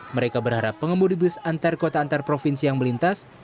mereka berharap pengemudi bus antar kota antar provinsi yang melintas